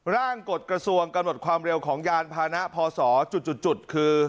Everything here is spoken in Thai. กฎกระทรวงกำหนดความเร็วของยานพานะพศจุดคือ